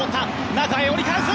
中へ折り返す！